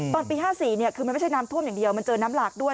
ตอนปี๕๔คือมันไม่ใช่น้ำท่วมอย่างเดียวมันเจอน้ำหลากด้วย